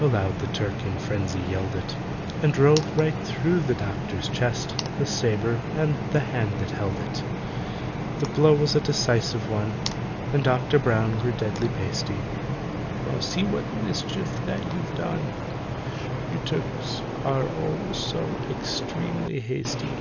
Aloud the Turk in frenzy yelled it, And drove right through the doctor's chest The sabre and the hand that held it. The blow was a decisive one, And DOCTOR BROWN grew deadly pasty, "Now see the mischief that you've done— You Turks are so extremely hasty.